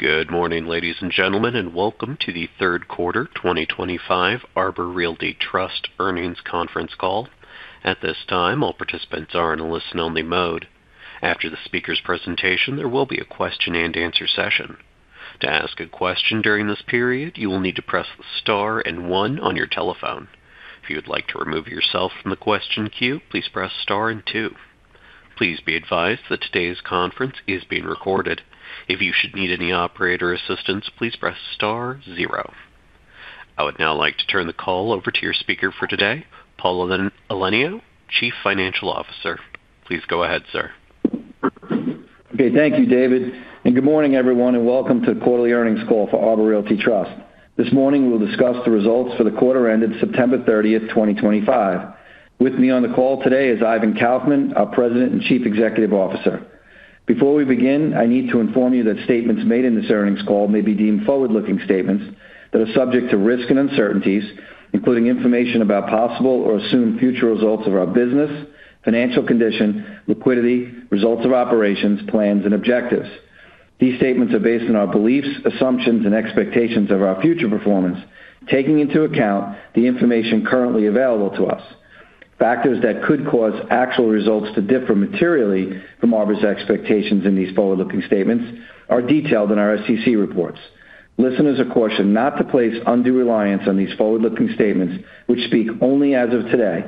Good morning, ladies and gentlemen, and welcome to the third quarter 2025 Arbor Realty Trust earnings conference call. At this time, all participants are in a listen-only mode. After the speaker's presentation, there will be a question-and-answer session. To ask a question during this period, you will need to press the star and one on your telephone. If you would like to remove yourself from the question queue, please press star and two. Please be advised that today's conference is being recorded. If you should need any operator assistance, please press star zero. I would now like to turn the call over to your speaker for today, Paul Elenio, Chief Financial Officer. Please go ahead, sir. Okay. Thank you, David. Good morning, everyone, and welcome to the quarterly earnings call for Arbor Realty Trust. This morning, we'll discuss the results for the quarter ended September 30th, 2025. With me on the call today is Ivan Kaufman, our President and Chief Executive Officer. Before we begin, I need to inform you that statements made in this earnings call may be deemed forward-looking statements that are subject to risk and uncertainties, including information about possible or assumed future results of our business, financial condition, liquidity, results of operations, plans, and objectives. These statements are based on our beliefs, assumptions, and expectations of our future performance, taking into account the information currently available to us. Factors that could cause actual results to differ materially from Arbor's expectations in these forward-looking statements are detailed in our SEC reports. Listeners are cautioned not to place undue reliance on these forward-looking statements, which speak only as of today.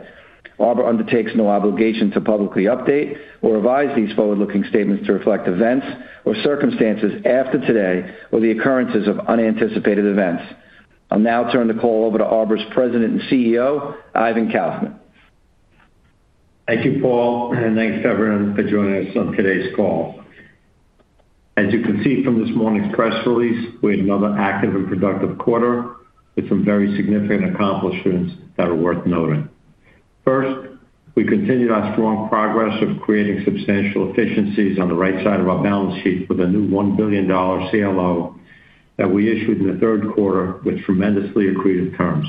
Arbor undertakes no obligation to publicly update or revise these forward-looking statements to reflect events or circumstances after today or the occurrences of unanticipated events. I'll now turn the call over to Arbor's President and CEO, Ivan Kaufman. Thank you, Paul, and thanks, everyone, for joining us on today's call. As you can see from this morning's press release, we had another active and productive quarter with some very significant accomplishments that are worth noting. First, we continued our strong progress of creating substantial efficiencies on the right side of our balance sheet with a new $1 billion CLO that we issued in the third quarter with tremendously accretive terms.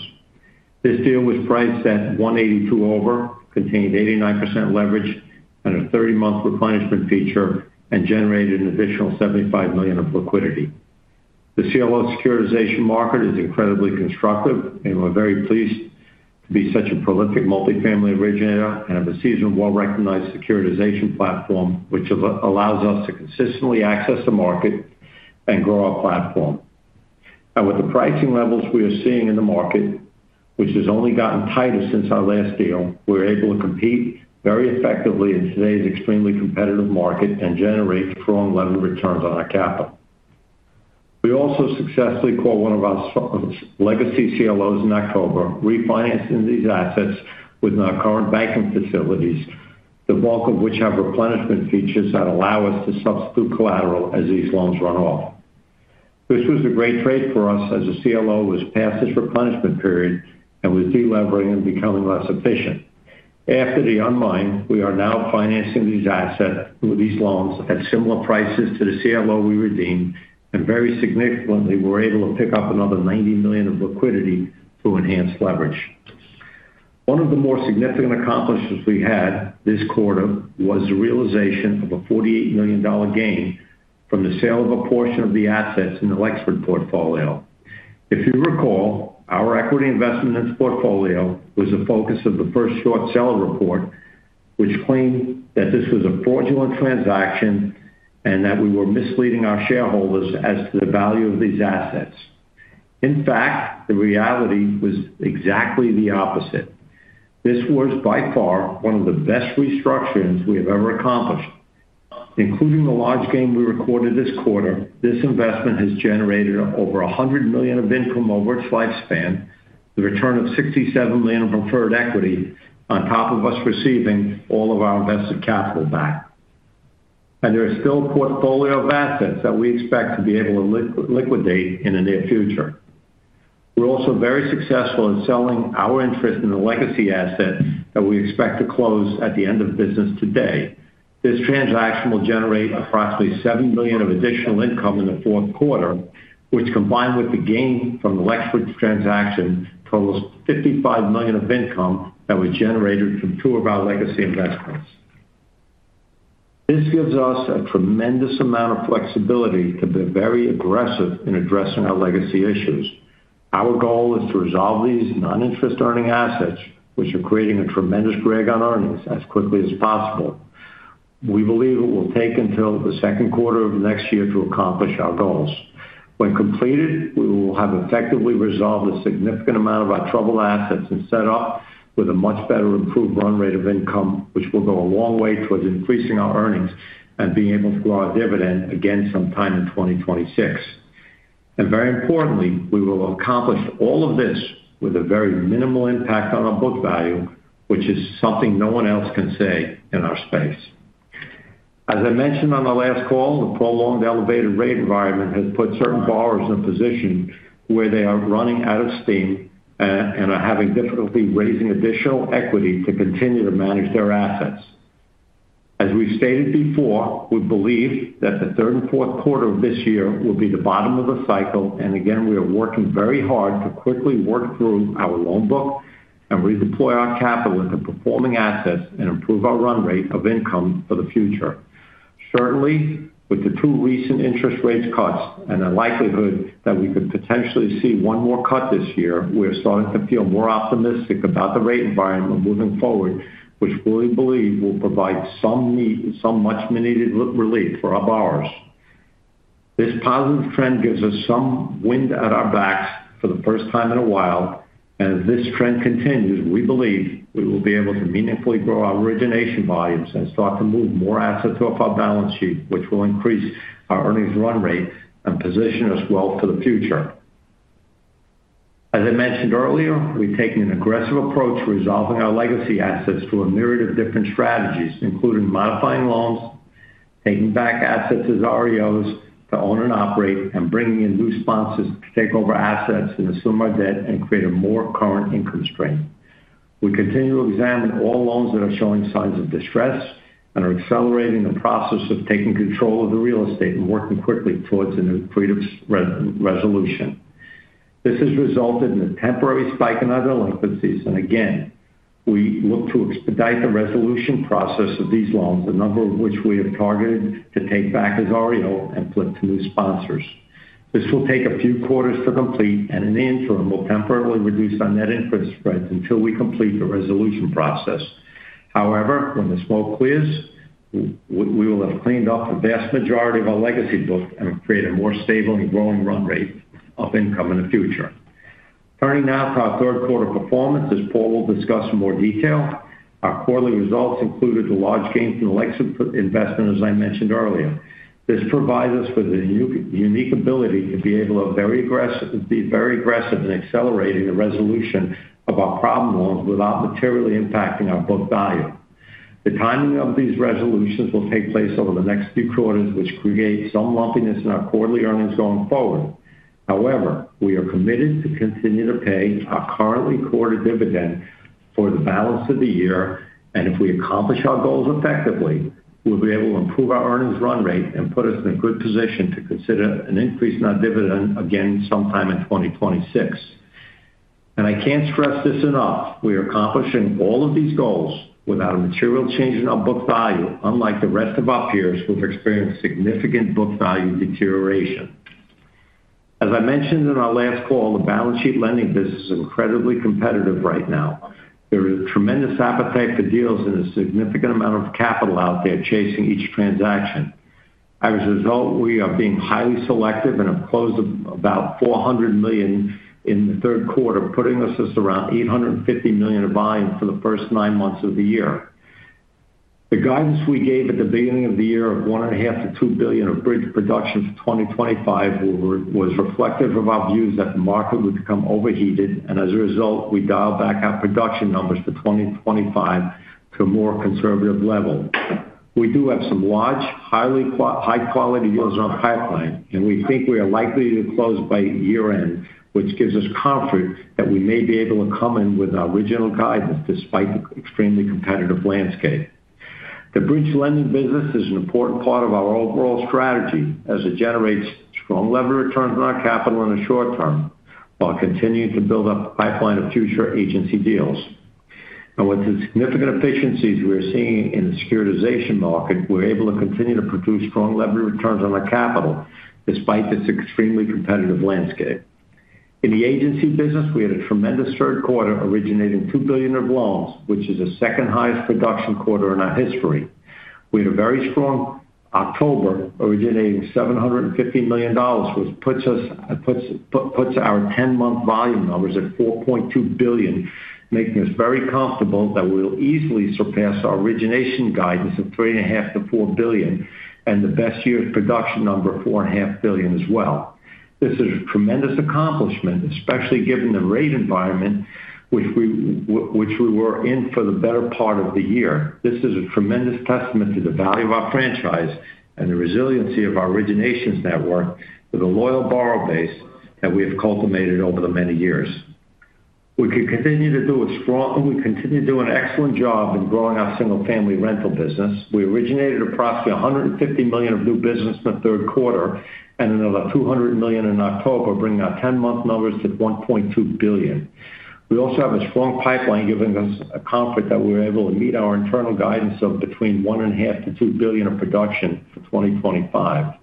This deal was priced at $182 over, contained 89% leverage, and a 30-month replenishment feature, and generated an additional $75 million of liquidity. The CLO securitization market is incredibly constructive, and we're very pleased to be such a prolific multifamily originator and have a seasoned, well-recognized securitization platform, which allows us to consistently access the market and grow our platform. With the pricing levels we are seeing in the market, which has only gotten tighter since our last deal, we're able to compete very effectively in today's extremely competitive market and generate strong level returns on our capital. We also successfully called one of our legacy CLOs in October, refinancing these assets within our current banking facilities, the bulk of which have replenishment features that allow us to substitute collateral as these loans run off. This was a great trade for us as the CLO was past its replenishment period and was deleveraging and becoming less efficient. After the unwind, we are now financing these assets with these loans at similar prices to the CLO we redeemed and very significantly were able to pick up another $90 million of liquidity through enhanced leverage. One of the more significant accomplishments we had this quarter was the realization of a $48 million gain from the sale of a portion of the assets in the Lexford portfolio. If you recall, our equity investment in this portfolio was the focus of the first short seller report, which claimed that this was a fraudulent transaction and that we were misleading our shareholders as to the value of these assets. In fact, the reality was exactly the opposite. This was by far one of the best restructurings we have ever accomplished. Including the large gain we recorded this quarter, this investment has generated over $100 million of income over its lifespan, the return of $67 million of preferred equity on top of us receiving all of our invested capital back. There is still a portfolio of assets that we expect to be able to liquidate in the near future. We are also very successful at selling our interest in the legacy asset that we expect to close at the end of business today. This transaction will generate approximately $7 million of additional income in the fourth quarter, which combined with the gain from the Lexford transaction totals $55 million of income that was generated from two of our legacy investments. This gives us a tremendous amount of flexibility to be very aggressive in addressing our legacy issues. Our goal is to resolve these non-interest earning assets, which are creating a tremendous drag on earnings, as quickly as possible. We believe it will take until the second quarter of next year to accomplish our goals. When completed, we will have effectively resolved a significant amount of our troubled assets and set up with a much better improved run rate of income, which will go a long way towards increasing our earnings and being able to grow our dividend again sometime in 2026. Very importantly, we will have accomplished all of this with a very minimal impact on our book value, which is something no one else can say in our space. As I mentioned on our last call, the prolonged elevated rate environment has put certain borrowers in a position where they are running out of steam and are having difficulty raising additional equity to continue to manage their assets. As we have stated before, we believe that the third and fourth quarter of this year will be the bottom of the cycle. We are working very hard to quickly work through our loan book and redeploy our capital into performing assets and improve our run rate of income for the future. Certainly, with the two recent interest rate cuts and the likelihood that we could potentially see one more cut this year, we are starting to feel more optimistic about the rate environment moving forward, which we believe will provide some much-needed relief for our borrowers. This positive trend gives us some wind at our backs for the first time in a while. As this trend continues, we believe we will be able to meaningfully grow our origination volumes and start to move more assets off our balance sheet, which will increase our earnings run rate and position us well for the future. As I mentioned earlier, we've taken an aggressive approach to resolving our legacy assets through a myriad of different strategies, including modifying loans, taking back assets as REOs to own and operate, and bringing in new sponsors to take over assets and assume our debt and create a more current income stream. We continue to examine all loans that are showing signs of distress and are accelerating the process of taking control of the real estate and working quickly towards an accredited resolution. This has resulted in a temporary spike in our delinquencies. We look to expedite the resolution process of these loans, the number of which we have targeted to take back as REO and flip to new sponsors. This will take a few quarters to complete, and in the interim, we'll temporarily reduce our net interest spreads until we complete the resolution process. However, when the smoke clears, we will have cleaned up the vast majority of our legacy book and create a more stable and growing run rate of income in the future. Turning now to our third quarter performance, as Paul will discuss in more detail, our quarterly results included the large gains in the Lexford investment, as I mentioned earlier. This provides us with a unique ability to be able to be very aggressive in accelerating the resolution of our problem loans without materially impacting our book value. The timing of these resolutions will take place over the next few quarters, which creates some lumpiness in our quarterly earnings going forward. However, we are committed to continue to pay our current quarterly dividend for the balance of the year. If we accomplish our goals effectively, we'll be able to improve our earnings run rate and put us in a good position to consider an increase in our dividend again sometime in 2026. I can't stress this enough. We are accomplishing all of these goals without a material change in our book value, unlike the rest of our peers who have experienced significant book value deterioration. As I mentioned in our last call, the balance sheet lending business is incredibly competitive right now. There is a tremendous appetite for deals and a significant amount of capital out there chasing each transaction. As a result, we are being highly selective and have closed about $400 million in the third quarter, putting us around $850 million of volume for the first nine months of the year. The guidance we gave at the beginning of the year of $1.5 billion-$2 billion of bridge production for 2025 was reflective of our views that the market would become overheated. As a result, we dialed back our production numbers for 2025 to a more conservative level. We do have some large, high-quality deals in our pipeline, and we think we are likely to close by year-end, which gives us comfort that we may be able to come in with our original guidance despite the extremely competitive landscape. The bridge lending business is an important part of our overall strategy as it generates strong leverage returns on our capital in the short term while continuing to build up a pipeline of future agency deals. With the significant efficiencies we are seeing in the securitization market, we're able to continue to produce strong leverage returns on our capital despite this extremely competitive landscape. In the agency business, we had a tremendous third quarter originating $2 billion of loans, which is the second highest production quarter in our history. We had a very strong October originating $750 million, which puts our 10-month volume numbers at $4.2 billion, making us very comfortable that we'll easily surpass our origination guidance of $3.5 billion-$4 billion and the best year's production number of $4.5 billion as well. This is a tremendous accomplishment, especially given the rate environment which we were in for the better part of the year. This is a tremendous testament to the value of our franchise and the resiliency of our originations network with a loyal borrower base that we have cultivated over the many years. We continue to do an excellent job in growing our single-family rental business. We originated approximately $150 million of new business in the third quarter and another $200 million in October, bringing our 10-month numbers to $1.2 billion. We also have a strong pipeline, giving us comfort that we were able to meet our internal guidance of between $1.5 billion-$2 billion of production for 2025.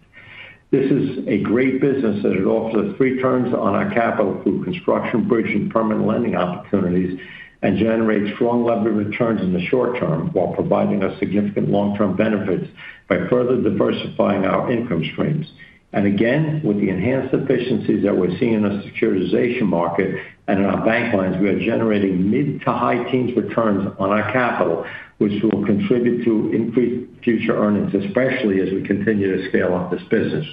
This is a great business as it offers us free turns on our capital through construction, bridging, and permanent lending opportunities and generates strong leverage returns in the short term while providing us significant long-term benefits by further diversifying our income streams. With the enhanced efficiencies that we're seeing in our securitization market and in our bank lines, we are generating mid to high teens returns on our capital, which will contribute to increased future earnings, especially as we continue to scale up this business.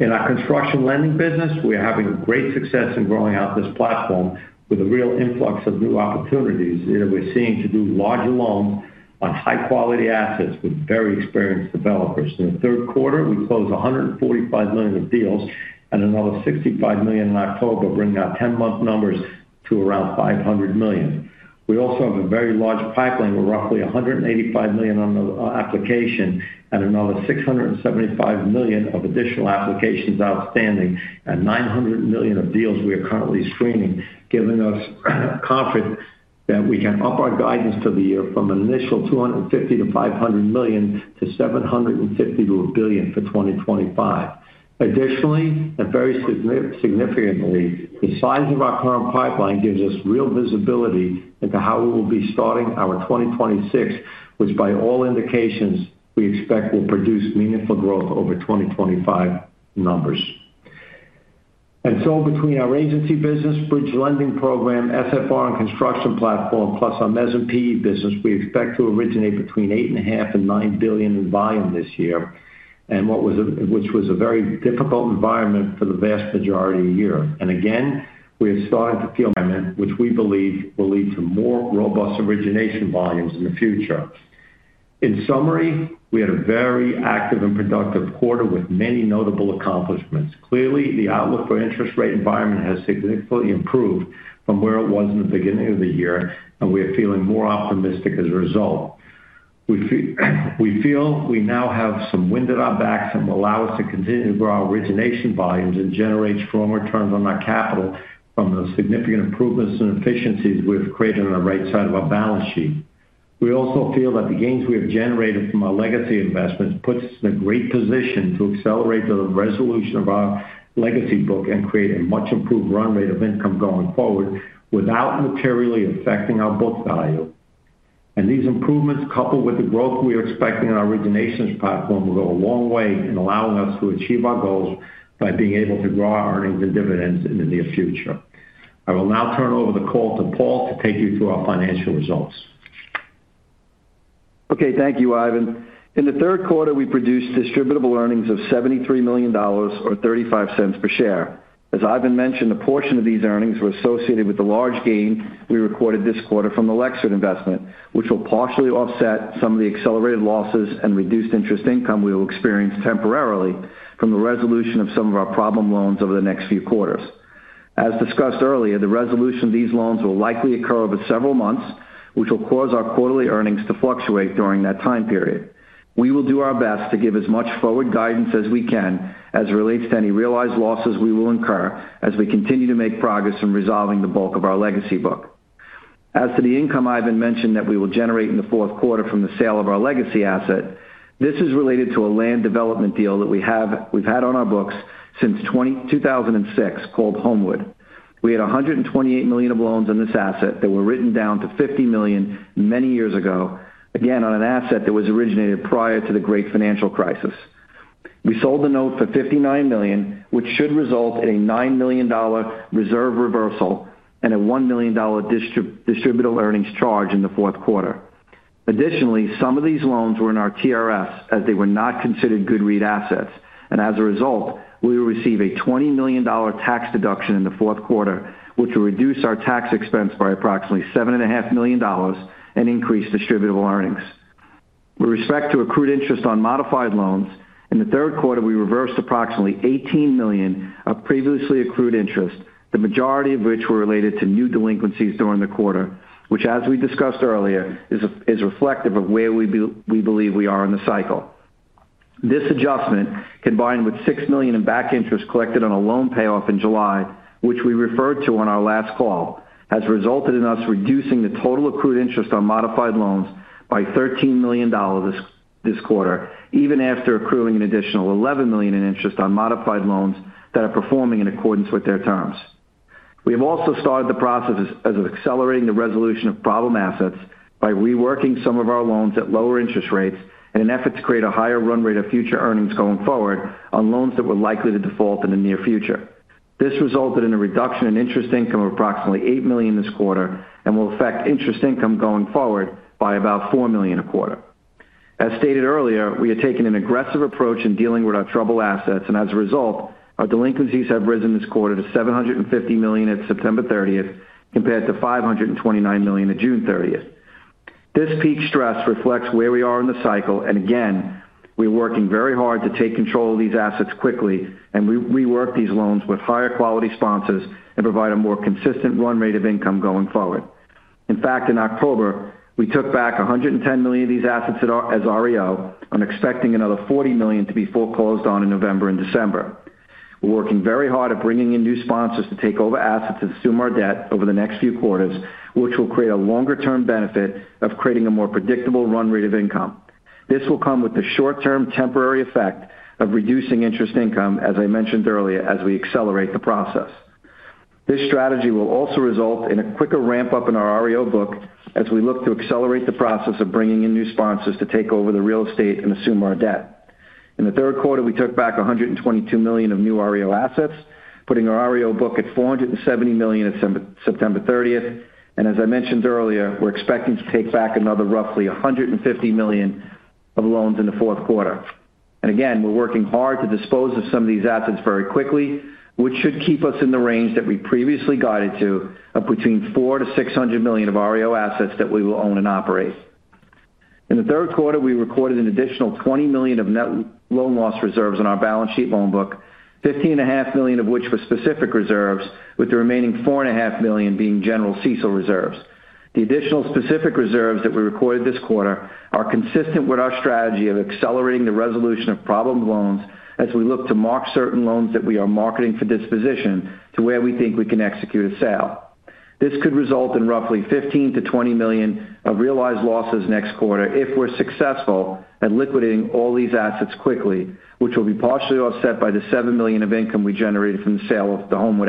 In our construction lending business, we are having great success in growing out this platform with a real influx of new opportunities that we're seeing to do large loans on high-quality assets with very experienced developers. In the third quarter, we closed $145 million of deals and another $65 million in October, bringing our 10-month numbers to around $500 million. We also have a very large pipeline with roughly $185 million on application and another $675 million of additional applications outstanding and $900 million of deals we are currently screening, giving us comfort that we can up our guidance for the year from an initial $250 million-$500 million to $750 million-$1 billion for 2025. Additionally, and very significantly, the size of our current pipeline gives us real visibility into how we will be starting our 2026, which by all indications, we expect will produce meaningful growth over 2025 numbers. Between our agency business, bridge lending program, single-family rental, and construction platform, plus our mezzanine business, we expect to originate between $8.5 billion-$9 billion in volume this year, which was a very difficult environment for the vast majority of the year. We are starting to feel environment, which we believe will lead to more robust origination volumes in the future. In summary, we had a very active and productive quarter with many notable accomplishments. Clearly, the outlook for the interest rate environment has significantly improved from where it was in the beginning of the year, and we are feeling more optimistic as a result. We feel we now have some wind at our backs that will allow us to continue to grow our origination volumes and generate strong returns on our capital from the significant improvements and efficiencies we have created on the right side of our balance sheet. We also feel that the gains we have generated from our legacy investments put us in a great position to accelerate the resolution of our legacy book and create a much-improved run rate of income going forward without materially affecting our book value. These improvements, coupled with the growth we are expecting in our originations platform, will go a long way in allowing us to achieve our goals by being able to grow our earnings and dividends in the near future. I will now turn over the call to Paul to take you through our financial results. Thank you, Ivan. In the third quarter, we produced distributable earnings of $73 million or $0.35 per share. As Ivan mentioned, a portion of these earnings were associated with the large gain we recorded this quarter from the Lexford investment, which will partially offset some of the accelerated losses and reduced interest income we will experience temporarily from the resolution of some of our problem loans over the next few quarters. As discussed earlier, the resolution of these loans will likely occur over several months, which will cause our quarterly earnings to fluctuate during that time period. We will do our best to give as much forward guidance as we can as it relates to any realized losses we will incur as we continue to make progress in resolving the bulk of our legacy book. As to the income Ivan mentioned that we will generate in the fourth quarter from the sale of our legacy asset, this is related to a land development deal that we've had on our books since 2006 called Homewood. We had $128 million of loans on this asset that were written down to $50 million many years ago, again, on an asset that was originated prior to the great financial crisis. We sold the note for $59 million, which should result in a $9 million reserve reversal and a $1 million distributable earnings charge in the fourth quarter. Additionally, some of these loans were in our TRFs as they were not considered good REIT assets. As a result, we will receive a $20 million tax deduction in the fourth quarter, which will reduce our tax expense by approximately $7.5 million and increase distributable earnings. With respect to accrued interest on modified loans, in the third quarter, we reversed approximately $18 million of previously accrued interest, the majority of which were related to new delinquencies during the quarter, which, as we discussed earlier, is reflective of where we believe we are in the cycle. This adjustment, combined with $6 million in back interest collected on a loan payoff in July, which we referred to on our last call, has resulted in us reducing the total accrued interest on modified loans by $13 million. This quarter, even after accruing an additional $11 million in interest on modified loans that are performing in accordance with their terms, we have also started the process of accelerating the resolution of problem assets by reworking some of our loans at lower interest rates in an effort to create a higher run rate of future earnings going forward on loans that were likely to default in the near future. This resulted in a reduction in interest income of approximately $8 million this quarter and will affect interest income going forward by about $4 million a quarter. As stated earlier, we have taken an aggressive approach in dealing with our troubled assets. As a result, our delinquencies have risen this quarter to $750 million at September 30th compared to $529 million at June 30th. This peak stress reflects where we are in the cycle. We are working very hard to take control of these assets quickly and rework these loans with higher quality sponsors and provide a more consistent run rate of income going forward. In fact, in October, we took back $110 million of these assets as REO, expecting another $40 million to be foreclosed on in November and December. We're working very hard at bringing in new sponsors to take over assets and assume our debt over the next few quarters, which will create a longer-term benefit of creating a more predictable run rate of income. This will come with the short-term temporary effect of reducing interest income, as I mentioned earlier, as we accelerate the process. This strategy will also result in a quicker ramp-up in our REO book as we look to accelerate the process of bringing in new sponsors to take over the real estate and assume our debt. In the third quarter, we took back $122 million of new REO assets, putting our REO book at $470 million at September 30th. As I mentioned earlier, we're expecting to take back another roughly $150 million of loans in the fourth quarter. We are working hard to dispose of some of these assets very quickly, which should keep us in the range that we previously guided to of between $400 million-$600 million of REO assets that we will own and operate. In the third quarter, we recorded an additional $20 million of net loan loss reserves on our balance sheet loan book, $15.5 million of which were specific reserves, with the remaining $4.5 million being general CECL reserves. The additional specific reserves that we recorded this quarter are consistent with our strategy of accelerating the resolution of problem loans as we look to mark certain loans that we are marketing for disposition to where we think we can execute a sale. This could result in roughly $15 million-$20 million of realized losses next quarter if we're successful at liquidating all these assets quickly, which will be partially offset by the $7 million of income we generated from the sale of the Homewood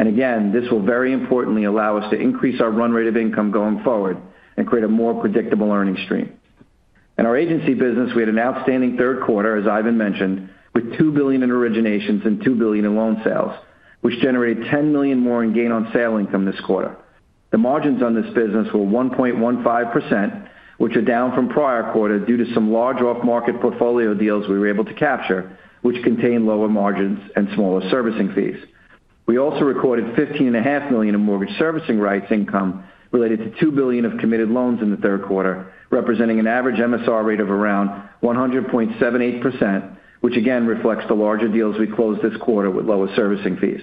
assets. This will very importantly allow us to increase our run rate of income going forward and create a more predictable earnings stream. In our agency business, we had an outstanding third quarter, as Ivan mentioned, with $2 billion in originations and $2 billion in loan sales, which generated $10 million more in gain on sale income this quarter. The margins on this business were 1.15%, which are down from prior quarter due to some large off-market portfolio deals we were able to capture, which contained lower margins and smaller servicing fees. We also recorded $15.5 million in mortgage servicing rights income related to $2 billion of committed loans in the third quarter, representing an average MSR rate of around 100.78%, which again reflects the larger deals we closed this quarter with lower servicing fees.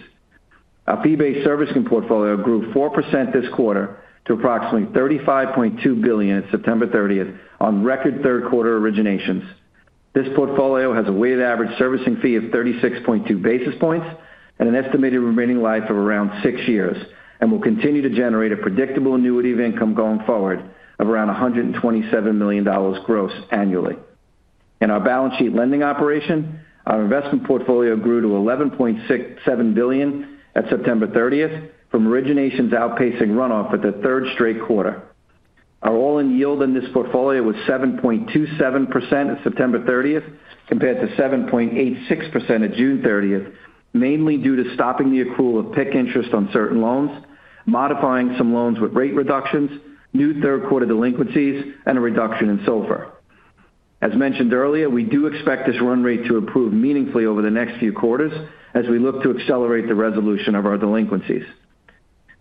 Our fee-based servicing portfolio grew 4% this quarter to approximately $35.2 billion at September 30th on record third-quarter originations. This portfolio has a weighted average servicing fee of 36.2 basis points and an estimated remaining life of around six years and will continue to generate a predictable annuity of income going forward of around $127 million gross annually. In our balance sheet lending operation, our investment portfolio grew to $11.67 billion at September 30th from originations outpacing runoff for the third straight quarter. Our all-in yield in this portfolio was 7.27% at September 30th compared to 7.86% at June 30th, mainly due to stopping the accrual of PIC interest on certain loans, modifying some loans with rate reductions, new third-quarter delinquencies, and a reduction in SOFR. As mentioned earlier, we do expect this run rate to improve meaningfully over the next few quarters as we look to accelerate the resolution of our delinquencies.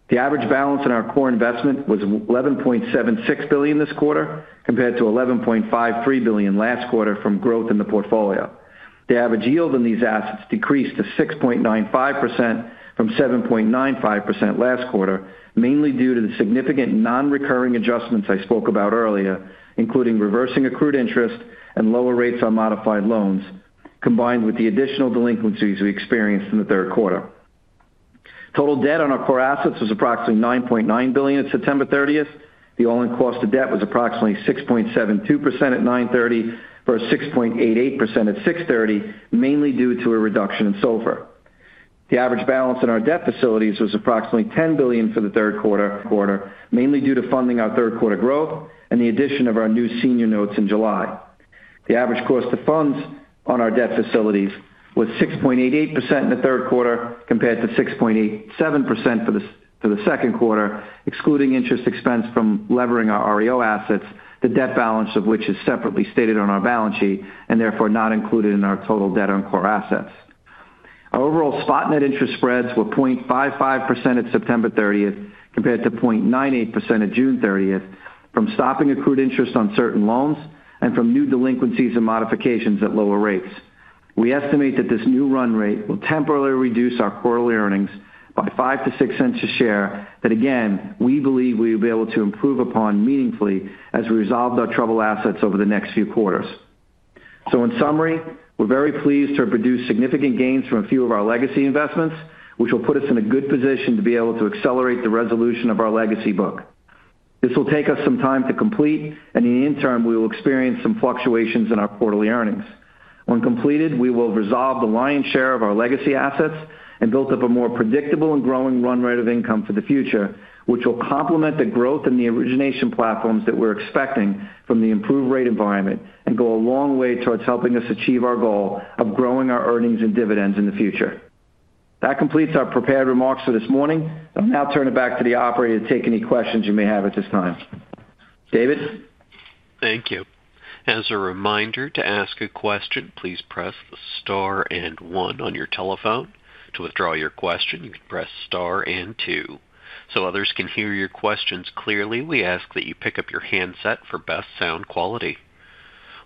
The average balance in our core investment was $11.76 billion this quarter compared to $11.53 billion last quarter from growth in the portfolio. The average yield in these assets decreased to 6.95% from 7.95% last quarter, mainly due to the significant non-recurring adjustments I spoke about earlier, including reversing accrued interest and lower rates on modified loans, combined with the additional delinquencies we experienced in the third quarter. Total debt on our core assets was approximately $9.9 billion at September 30th. The all-in cost of debt was approximately 6.72% at 9/30 versus 6.88% at 6/30, mainly due to a reduction in SOFR. The average balance in our debt facilities was approximately $10 billion for the third quarter, mainly due to funding our third-quarter growth and the addition of our new senior notes in July. The average cost of funds on our debt facilities was 6.88% in the third quarter compared to 6.87% for the second quarter, excluding interest expense from levering our REO assets, the debt balance of which is separately stated on our balance sheet and therefore not included in our total debt on core assets. Our overall spot net interest spreads were 0.55% at September 30th compared to 0.98% at June 30th from stopping accrued interest on certain loans and from new delinquencies and modifications at lower rates. We estimate that this new run rate will temporarily reduce our quarterly earnings by $0.05-$0.06 a share that, again, we believe we will be able to improve upon meaningfully as we resolve our troubled assets over the next few quarters. In summary, we're very pleased to have produced significant gains from a few of our legacy investments, which will put us in a good position to be able to accelerate the resolution of our legacy book. This will take us some time to complete, and in the interim, we will experience some fluctuations in our quarterly earnings. When completed, we will resolve the lion's share of our legacy assets and build up a more predictable and growing run rate of income for the future, which will complement the growth in the origination platforms that we're expecting from the improved rate environment and go a long way towards helping us achieve our goal of growing our earnings and dividends in the future. That completes our prepared remarks for this morning. I'll now turn it back to the operator to take any questions you may have at this time. David? Thank you. As a reminder, to ask a question, please press the star and one on your telephone. To withdraw your question, you can press star and two. So others can hear your questions clearly, we ask that you pick up your handset for best sound quality.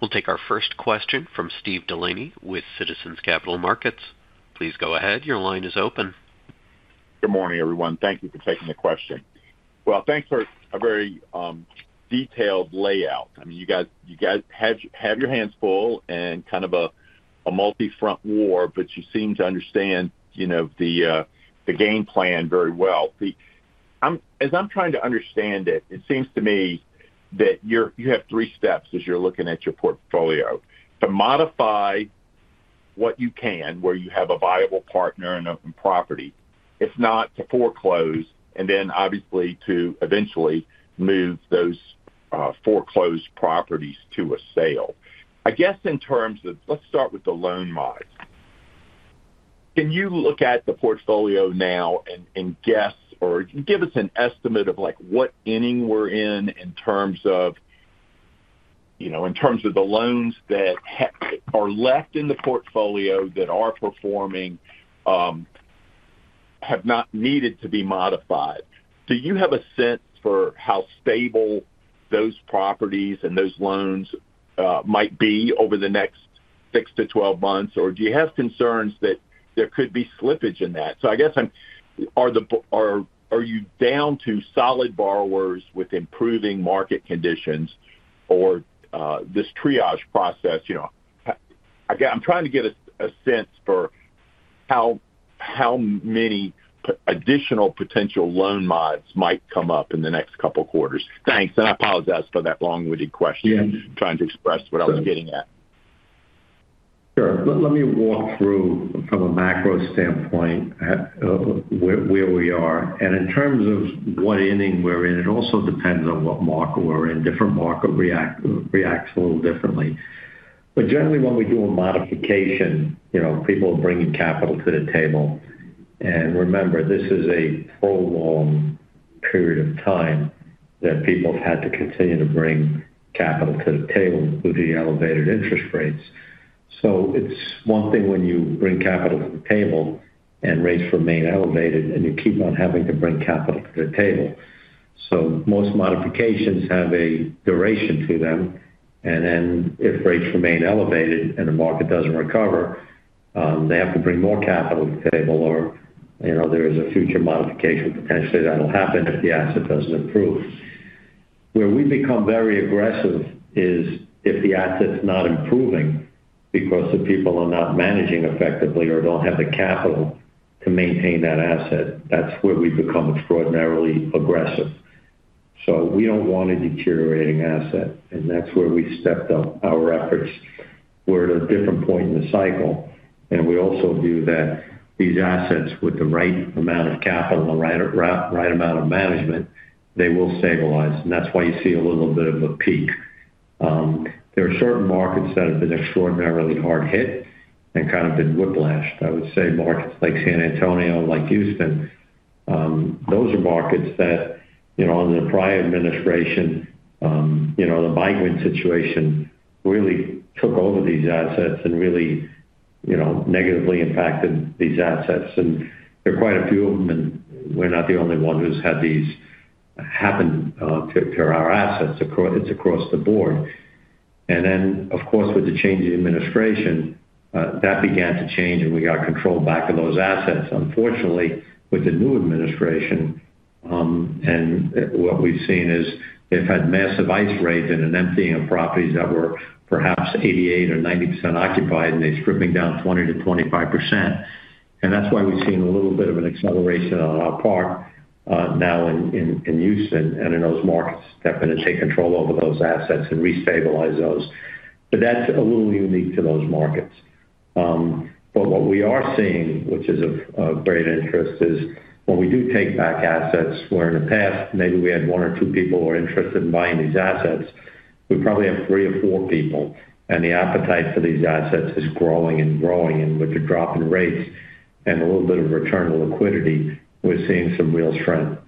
We'll take our first question from Steve Delaney with Citizens Capital Markets. Please go ahead. Your line is open. Good morning, everyone. Thank you for taking the question. Thank you for a very detailed layout. You guys have your hands full and kind of a multi-front war, but you seem to understand the game plan very well. As I'm trying to understand it, it seems to me that you have three steps as you're looking at your portfolio: to modify what you can where you have a viable partner and a property, if not to foreclose, and then obviously to eventually move those foreclosed properties to a sale. I guess in terms of, let's start with the loan mods. Can you look at the portfolio now and guess or give us an estimate of what inning we're in in terms of the loans that are left in the portfolio that are performing, have not needed to be modified? Do you have a sense for how stable those properties and those loans might be over the next 6 to 12 months, or do you have concerns that there could be slippage in that? I guess, are you down to solid borrowers with improving market conditions or this triage process? I'm trying to get a sense for how many additional potential loan mods might come up in the next couple of quarters. Thanks. I apologize for that long-winded question. I'm trying to express what I was getting at. Sure. Let me walk through from a macro standpoint where we are. In terms of what inning we're in, it also depends on what market we're in. Different markets react a little differently. Generally, when we do a modification, people are bringing capital to the table. Remember, this is a prolonged period of time that people have had to continue to bring capital to the table with the elevated interest rates. It's one thing when you bring capital to the table and rates remain elevated, and you keep on having to bring capital to the table. Most modifications have a duration to them. If rates remain elevated and the market doesn't recover, they have to bring more capital to the table, or there is a future modification potentially that will happen if the asset doesn't improve. Where we become very aggressive is if the asset's not improving because the people are not managing effectively or don't have the capital to maintain that asset. That's where we become extraordinarily aggressive. We don't want a deteriorating asset, and that's where we stepped up our efforts. We're at a different point in the cycle, and we also view that these assets with the right amount of capital and the right amount of management, they will stabilize. That's why you see a little bit of a peak. There are certain markets that have been extraordinarily hard hit and kind of been whiplashed. I would say markets like San Antonio, like Houston. Those are markets that, under the prior administration, the migrant situation really took over these assets and really negatively impacted these assets. There are quite a few of them, and we're not the only one who's had these happen to our assets. It's across the board. Of course, with the change in administration, that began to change, and we got control back of those assets. Unfortunately, with the new administration and what we've seen is they've had massive ICE raids and an emptying of properties that were perhaps 88% or 90% occupied, and they're stripping down 20%-25%. That's why we've seen a little bit of an acceleration on our part now in Houston and in those markets that are going to take control over those assets and restabilize those. That's a little unique to those markets. What we are seeing, which is of great interest, is when we do take back assets, where in the past, maybe we had one or two people who were interested in buying these assets, we probably have three or four people. The appetite for these assets is growing and growing. With the drop in rates and a little bit of return to liquidity, we're seeing some real strength.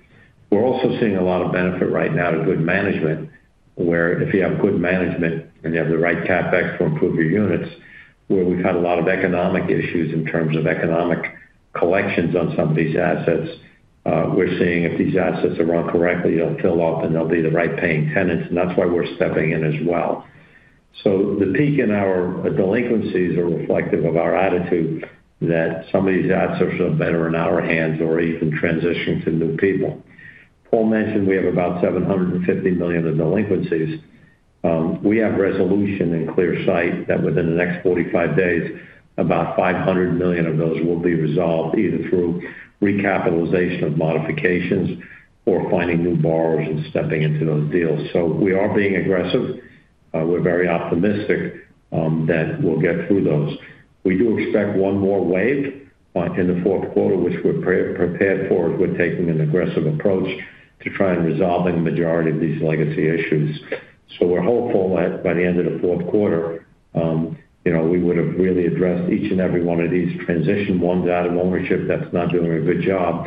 We're also seeing a lot of benefit right now to good management. If you have good management and you have the right CapEx to improve your units, where we've had a lot of economic issues in terms of economic collections on some of these assets, we're seeing if these assets are run correctly, they'll fill up, and they'll be the right paying tenants. That's why we're stepping in as well. The peak in our delinquencies is reflective of our attitude that some of these assets are better in our hands or even transitioning to new people. Paul mentioned we have about $750 million of delinquencies. We have resolution in clear sight that within the next 45 days, about $500 million of those will be resolved either through recapitalization of modifications or finding new borrowers and stepping into those deals. We are being aggressive. We're very optimistic that we'll get through those. We do expect one more wave in the fourth quarter, which we're prepared for as we're taking an aggressive approach to try and resolve the majority of these legacy issues. We're hopeful that by the end of the fourth quarter, we would have really addressed each and every one of these, transitioning ones out of ownership that's not doing a good job.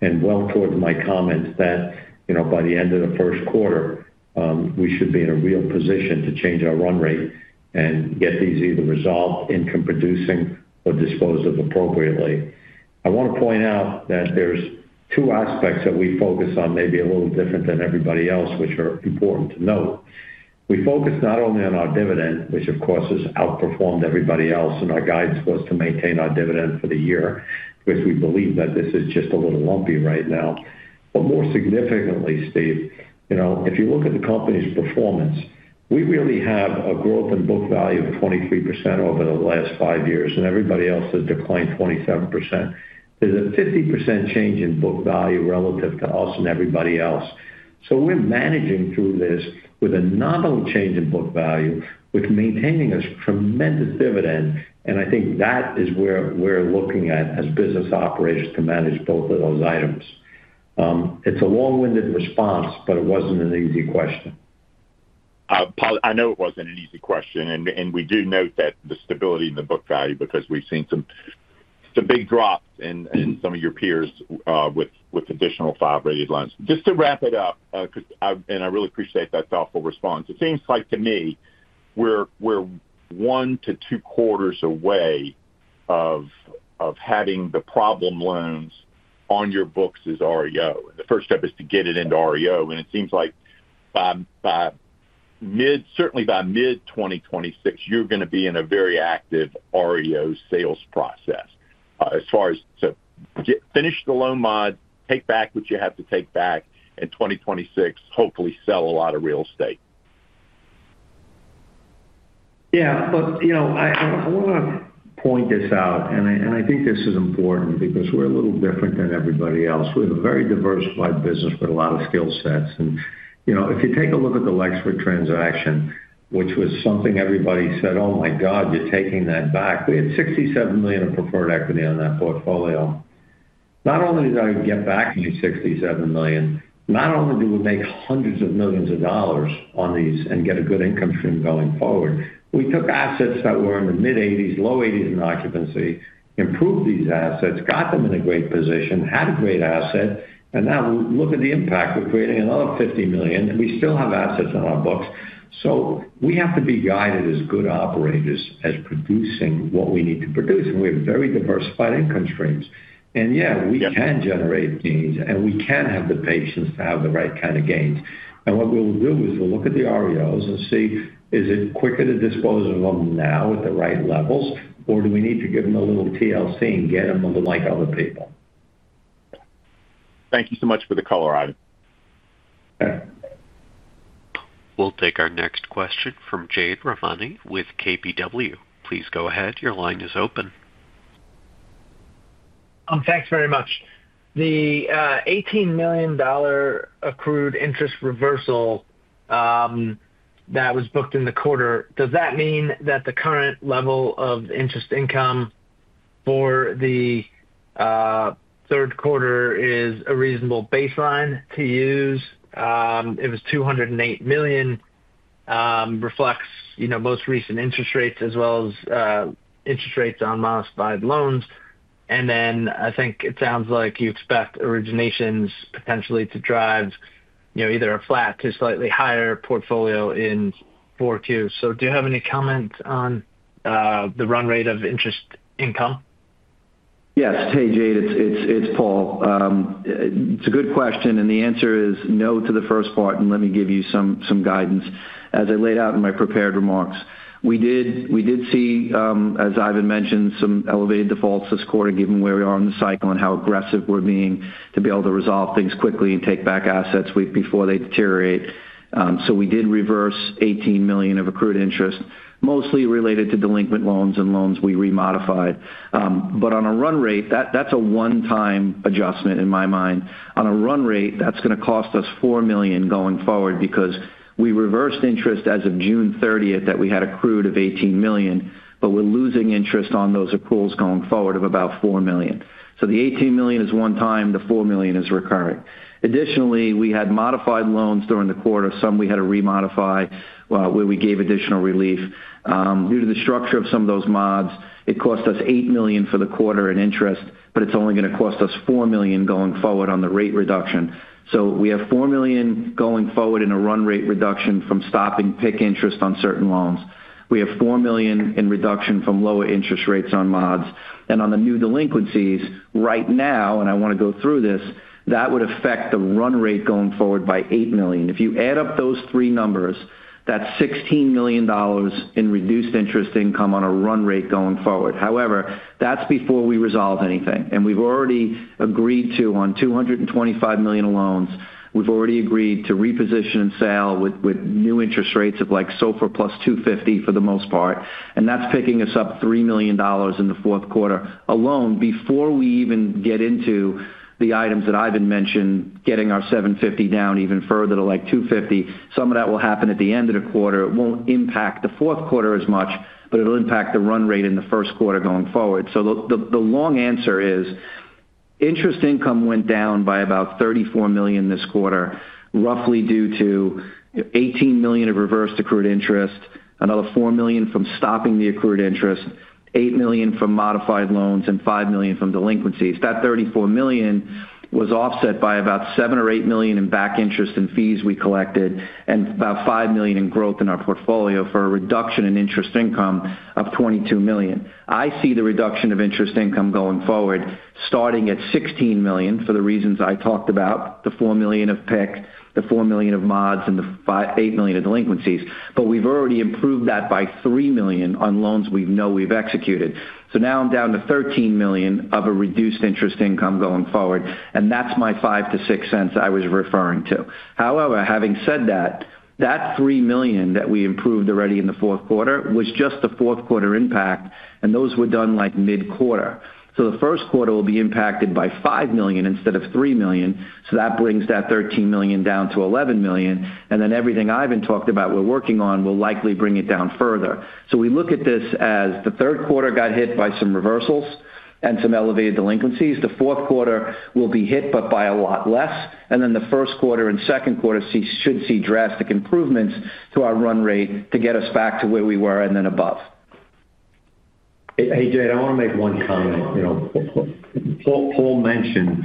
Towards my comments, by the end of the first quarter, we should be in a real position to change our run rate and get these either resolved, income producing, or disposed of appropriately. I want to point out that there are two aspects that we focus on, maybe a little different than everybody else, which are important to note. We focus not only on our dividend, which of course has outperformed everybody else, and our guidance was to maintain our dividend for the year, which we believe is just a little lumpy right now. More significantly, Steve, if you look at the company's performance, we really have a growth in book value of 23% over the last five years, and everybody else has declined 27%. There's a 50% change in book value relative to us and everybody else. We're managing through this with a nominal change in book value, while maintaining a tremendous dividend. I think that is where we're looking at as business operators, to manage both of those items. It's a long-winded response, but it wasn't an easy question. I know it wasn't an easy question. We do note the stability in the book value because we've seen some big drops in some of your peers with additional five rated loans. Just to wrap it up, and I really appreciate that thoughtful response, it seems like to me we're one to two quarters away from having the problem loans on your books as REO. The first step is to get it into REO, and it seems like certainly by mid-2026, you're going to be in a very active REO sales process as far as to finish the loan mod, take back what you have to take back, and in 2026, hopefully sell a lot of real estate. I want to point this out, and I think this is important because we're a little different than everybody else. We have a very diversified business with a lot of skill sets. If you take a look at the Lexford transaction, which was something everybody said, "Oh my God, you're taking that back." We had $67 million of preferred equity on that portfolio. Not only did I get back my $67 million, not only do we make hundreds of millions of dollars on these and get a good income stream going forward, we took assets that were in the mid-80s, low 80s in occupancy, improved these assets, got them in a great position, had a great asset, and now look at the impact. We're creating another $50 million. We still have assets on our books. We have to be guided as good operators as producing what we need to produce. We have very diversified income streams. Yeah, we can generate gains, and we can have the patience to have the right kind of gains. What we will do is we'll look at the REOs and see, is it quicker to dispose of them now at the right levels, or do we need to give them a little TLC and get them like other people? Thank you so much for the caller item. We'll take our next question from Jade Rahmani with KBW. Please go ahead. Your line is open. Thanks very much. The $18 million accrued interest reversal that was booked in the quarter, does that mean that the current level of interest income for the third quarter is a reasonable baseline to use? It was $208 million. Reflects most recent interest rates as well as interest rates on modified loans. I think it sounds like you expect originations potentially to drive either a flat to slightly higher portfolio in 4Qs. Do you have any comments on the run rate of interest income? Yes. Hey, Jade, it's Paul. It's a good question. The answer is no to the first part. Let me give you some guidance. As I laid out in my prepared remarks, we did see, as Ivan mentioned, some elevated defaults this quarter, given where we are in the cycle and how aggressive we're being to be able to resolve things quickly and take back assets before they deteriorate. We did reverse $18 million of accrued interest, mostly related to delinquent loans and loans we remodified. On a run rate, that's a one-time adjustment in my mind. On a run rate, that's going to cost us $4 million going forward because we reversed interest as of June 30th that we had accrued of $18 million, but we're losing interest on those accruals going forward of about $4 million. The $18 million is one-time. The $4 million is recurring. Additionally, we had modified loans during the quarter. Some we had to remodify where we gave additional relief. Due to the structure of some of those mods, it cost us $8 million for the quarter in interest, but it's only going to cost us $4 million going forward on the rate reduction. We have $4 million going forward in a run rate reduction from stopping PIK interest on certain loans. We have $4 million in reduction from lower interest rates on mods. On the new delinquencies right now, I want to go through this, that would affect the run rate going forward by $8 million. If you add up those three numbers, that's $16 million in reduced interest income on a run rate going forward. However, that's before we resolve anything. We've already agreed to, on $225 million loans, we've already agreed to reposition and sell with new interest rates of like SOFR +$250 million for the most part. That's picking us up $3 million in the fourth quarter alone. Before we even get into the items that Ivan mentioned, getting our $750 million down even further to like $250 million, some of that will happen at the end of the quarter. It won't impact the fourth quarter as much, but it'll impact the run rate in the first quarter going forward. The long answer is interest income went down by about $34 million this quarter, roughly due to $18 million of reversed accrued interest, another $4 million from stopping the accrued interest, $8 million from modified loans, and $5 million from delinquencies. That $34 million was offset by about $7 million or $8 million in back interest and fees we collected, and about $5 million in growth in our portfolio for a reduction in interest income of $22 million. I see the reduction of interest income going forward starting at $16 million for the reasons I talked about, the $4 million of PIK, the $4 million of mods, and the $8 million of delinquencies. We've already improved that by $3 million on loans we know we've executed. Now I'm down to $13 million of a reduced interest income going forward. That's my $0.05-$0.06 I was referring to. However, having said that, that $3 million that we improved already in the fourth quarter was just the fourth quarter impact, and those were done like mid-quarter. The first quarter will be impacted by $5 million instead of $3 million. That brings that $13 million down to $11 million. Everything Ivan talked about we're working on will likely bring it down further. We look at this as the third quarter got hit by some reversals and some elevated delinquencies. The fourth quarter will be hit, but by a lot less. The first quarter and second quarter should see drastic improvements to our run rate to get us back to where we were and then above. Hey, Jade, I want to make one comment. Paul mentioned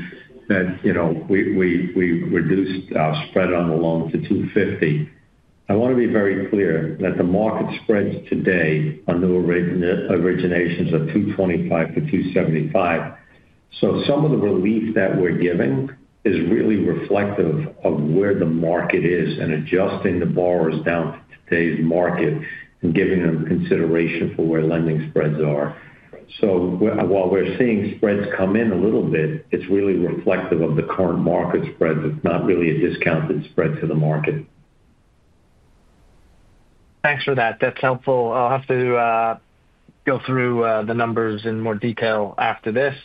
that we reduced our spread on the loan to $250 million. I want to be very clear that the market spreads today on new originations are $225 million-$275 million. Some of the relief that we're giving is really reflective of where the market is and adjusting the borrowers down to today's market and giving them consideration for where lending spreads are. While we're seeing spreads come in a little bit, it's really reflective of the current market spread. It's not really a discounted spread to the market. Thanks for that. That's helpful. I'll have to go through the numbers in more detail after this.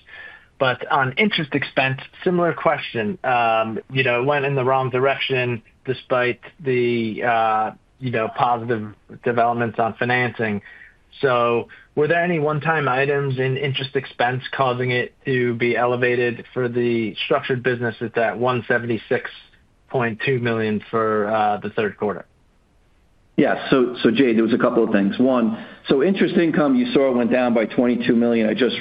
On interest expense, similar question. It went in the wrong direction despite the positive developments on financing. Were there any one-time items in interest expense causing it to be elevated for the structured business at that $176.2 million for the third quarter? Yeah. Jade, there was a couple of things. One, interest income, you saw it went down by $22 million. I just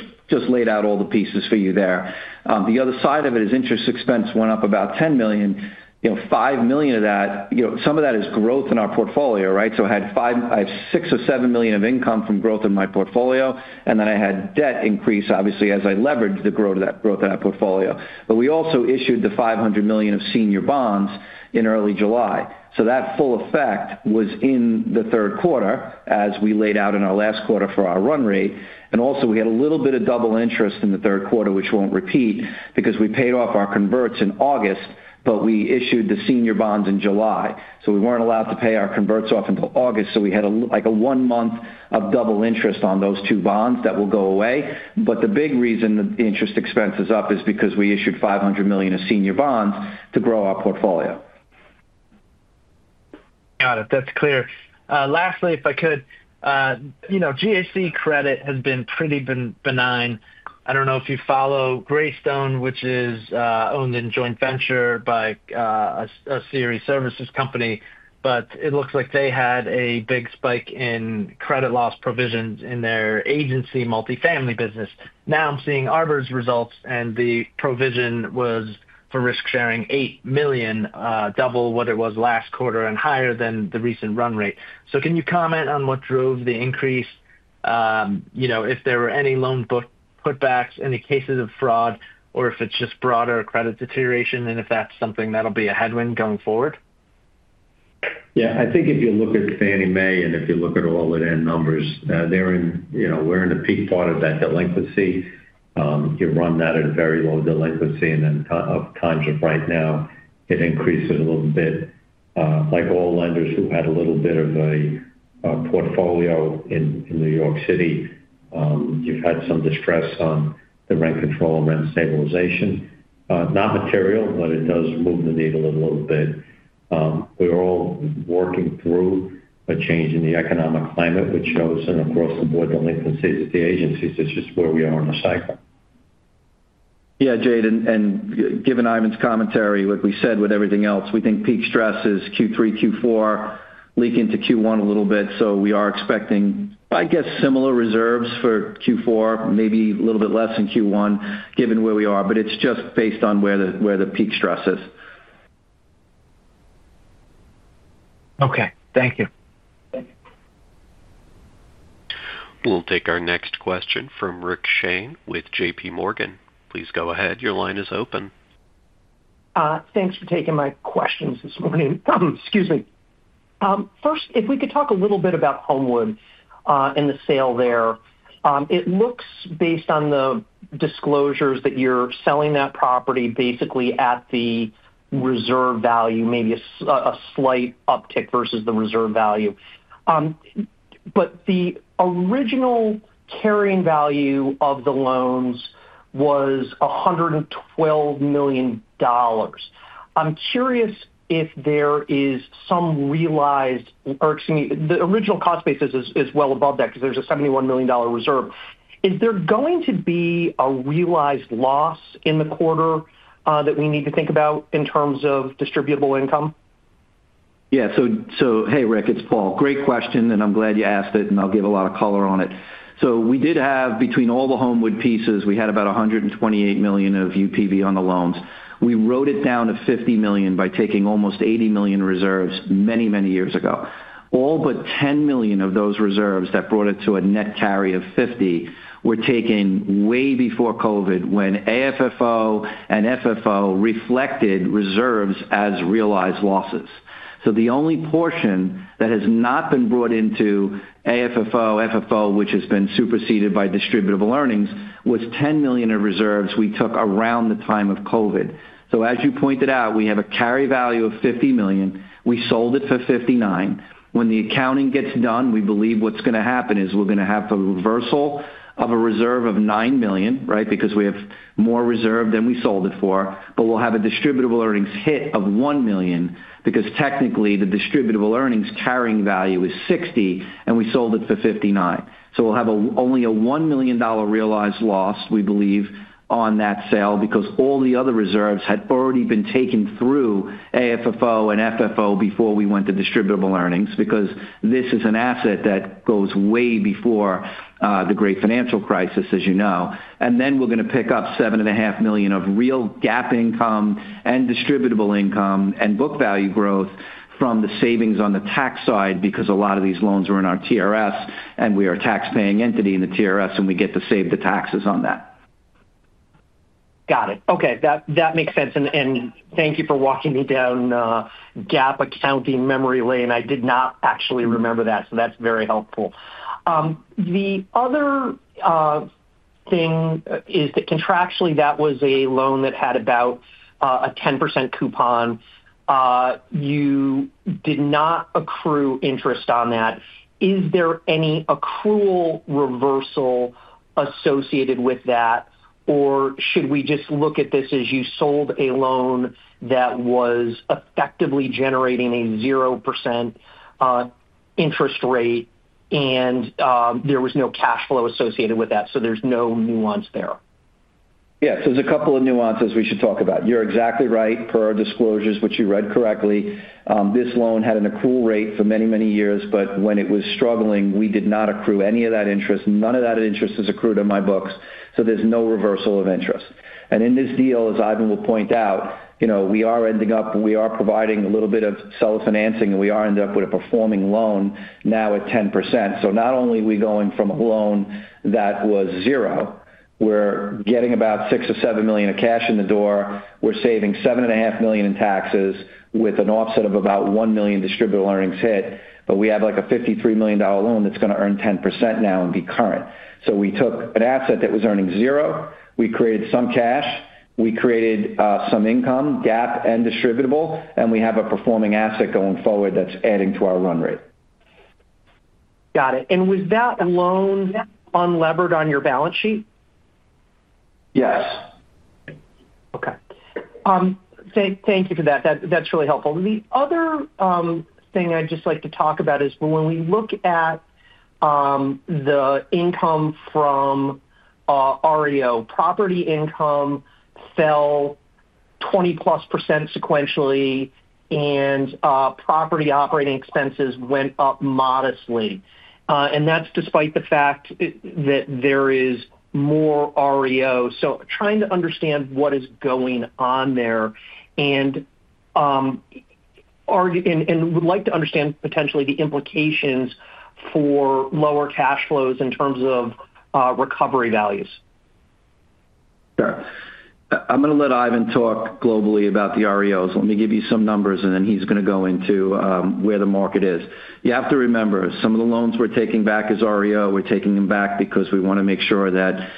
laid out all the pieces for you there. The other side of it is interest expense went up about $10 million. $5 million of that, some of that is growth in our portfolio, right? I had $6 million or $7 million of income from growth in my portfolio. Then I had debt increase, obviously, as I leveraged the growth of that portfolio. We also issued the $500 million of senior bonds in early July. That full effect was in the third quarter as we laid out in our last quarter for our run rate. Also, we had a little bit of double interest in the third quarter, which won't repeat because we paid off our converts in August, but we issued the senior bonds in July. We weren't allowed to pay our converts off until August. We had like a one-month of double interest on those two bonds that will go away. The big reason the interest expense is up is because we issued $500 million of senior bonds to grow our portfolio. Got it. That's clear. Lastly, if I could GHC Credit has been pretty benign. I don't know if you follow Greystone, which is owned in joint venture by a series services company, but it looks like they had a big spike in credit loss provisions in their agency multifamily business. Now I'm seeing Arbor's results, and the provision was for risk sharing $8 million, double what it was last quarter and higher than the recent run rate. Can you comment on what drove the increase, if there were any loan putbacks, any cases of fraud, or if it's just broader credit deterioration? Is that something that'll be a headwind going forward? Yeah. I think if you look at Fannie Mae and if you look at all of their numbers, we're in the peak part of that delinquency. You run that at very low delinquency, and then at times like right now, it increases a little bit. Like all lenders who had a little bit of a portfolio in New York City, you've had some distress on the rent control and rent stabilization. Not material, but it does move the needle a little bit. We're all working through a change in the economic climate, which shows across the board delinquencies at the agencies. It's just where we are in the cycle. Yeah, Jade. Given Ivan's commentary, what we said with everything else, we think peak stress is Q3, Q4, leak into Q1 a little bit. We are expecting, I guess, similar reserves for Q4, maybe a little bit less than Q1, given where we are. It's just based on where the peak stress is. Okay. Thank you. We'll take our next question from Rick Shane with JPMorgan. Please go ahead. Your line is open. Thanks for taking my questions this morning. Excuse me. First, if we could talk a little bit about Homewood and the sale there. It looks, based on the disclosures, that you're selling that property basically at the reserve value, maybe a slight uptick versus the reserve value. The original carrying value of the loans was $112 million. I'm curious if there is some realized or, excuse me, the original cost basis is well above that because there's a $71 million reserve. Is there going to be a realized loss in the quarter that we need to think about in terms of distributable income? Yeah. So, hey, Rick, it's Paul. Great question. I'm glad you asked it, and I'll give a lot of color on it. We did have, between all the Homewood pieces, about $128 million of UPV on the loans. We wrote it down to $50 million by taking almost $80 million reserves many, many years ago. All but $10 million of those reserves that brought it to a net carry of $50 million were taken way before COVID when AFFO and FFO reflected reserves as realized losses. The only portion that has not been brought into. AFFO, FFO, which has been superseded by distributable earnings, was $10 million of reserves we took around the time of COVID. As you pointed out, we have a carry value of $50 million. We sold it for $59 million. When the accounting gets done, we believe what's going to happen is we're going to have a reversal of a reserve of $9 million, right? Because we have more reserve than we sold it for. We'll have a distributable earnings hit of $1 million because technically the distributable earnings carrying value is $60 million, and we sold it for $59 million. We'll have only a $1 million realized loss, we believe, on that sale because all the other reserves had already been taken through AFFO and FFO before we went to distributable earnings because this is an asset that goes way before the great financial crisis, as you know. We're going to pick up $7.5 million of real GAAP income and distributable income and book value growth from the savings on the tax side because a lot of these loans were in our TRS, and we are a tax-paying entity in the TRS, and we get to save the taxes on that. Got it. Okay. That makes sense. Thank you for walking me down GAAP accounting memory lane. I did not actually remember that. That's very helpful. The other thing is that contractually, that was a loan that had about a 10% coupon. You did not accrue interest on that. Is there any accrual reversal associated with that, or should we just look at this as you sold a loan that was effectively generating a 0% interest rate and there was no cash flow associated with that? There's no nuance there. Yeah. There's a couple of nuances we should talk about. You're exactly right per our disclosures, which you read correctly. This loan had an accrual rate for many, many years, but when it was struggling, we did not accrue any of that interest. None of that interest is accrued in my books. There's no reversal of interest. In this deal, as Ivan will point out, we are providing a little bit of seller financing, and we are ending up with a performing loan now at 10%. Not only are we going from a loan that was zero, we're getting about $6 million or $7 million of cash in the door. We're saving $7.5 million in taxes with an offset of about $1 million distributable earnings hit. We have a $53 million loan that's going to earn 10% now and be current. We took an asset that was earning zero. We created some cash. We created some income, GAAP, and distributable. We have a performing asset going forward that's adding to our run rate. Got it. Was that loan unlevered on your balance sheet? Yes. Okay. Thank you for that. That's really helpful. The other thing I'd just like to talk about is when we look at the income from REO, property income fell 20+% sequentially, and property operating expenses went up modestly. That's despite the fact that there is more REO. Trying to understand what is going on there and would like to understand potentially the implications for lower cash flows in terms of recovery values. Sure. I'm going to let Ivan talk globally about the REOs. Let me give you some numbers, and then he's going to go into where the market is. You have to remember, some of the loans we're taking back as REO, we're taking them back because we want to make sure that